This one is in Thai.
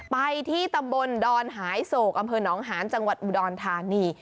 ไปที่ตำบลดอนหายโศกอำเภอหนองหาญจังหวัดอุดรธานี